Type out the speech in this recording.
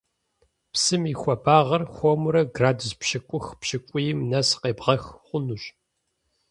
Псым и хуабагъыр хуэмурэ градус пщыкӀух – пщыкӀуийм нэс къебгъэх хъунущ.